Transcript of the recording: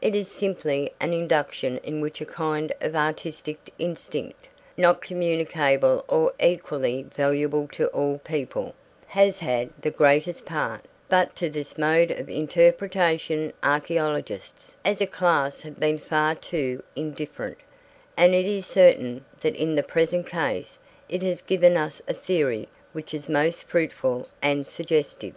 It is simply an induction in which a kind of artistic instinct, not communicable or equally valuable to all people, has had the greatest part, but to this mode of interpretation archaeologists as a class have been far too indifferent; and it is certain that in the present case it has given us a theory which is most fruitful and suggestive.